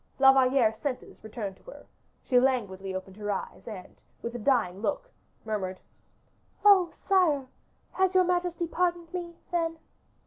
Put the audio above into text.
La Valliere's senses returned to her; she languidly opened her eyes and, with a dying look, murmured, "Oh! sire, has your majesty pardoned me, then?"